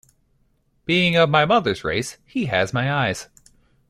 Being of my mother's race, he has my eyes.